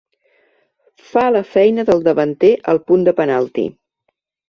Fa la feina del davanter al punt de penalti.